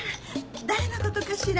誰のことかしら？